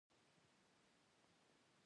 استاد د مکتب زړه بلل کېږي.